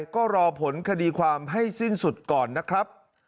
ก็รอผลคดีความให้สิ้นสุดก่อนนะครับ